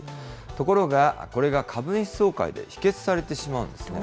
ところが、これが株主総会で否決されてしまうんですね。